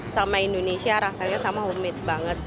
sama indonesia rasanya sama lemit banget